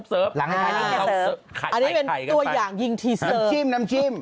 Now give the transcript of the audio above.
ซึ่งน้ำจิ้ม